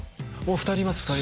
二人います